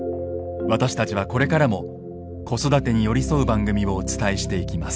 私たちはこれからも子育てに寄り添う番組をお伝えしていきます